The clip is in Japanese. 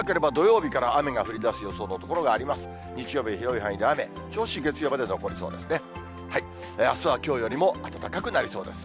日曜日、広い範囲で雨、銚子、月曜けれども残りそうですね。